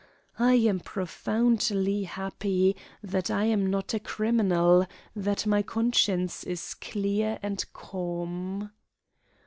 I am profoundly happy that I am not a criminal, that my conscience is clear and calm.